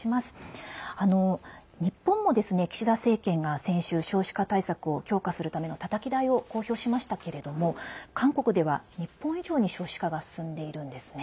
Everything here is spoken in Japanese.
日本も、岸田政権が先週少子化対策を強化するためのたたき台を公表しましたけれども韓国では日本以上に少子化が進んでいるんですね。